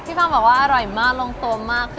พี่ฟังบอกว่าอร่อยมากลงตัวมาก